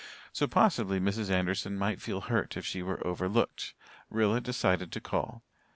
So possibly Mrs. Anderson might feel hurt if she were overlooked. Rilla decided to call.